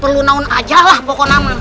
perlu naun aja lah pokok nama